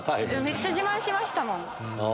めっちゃ自慢しましたもん。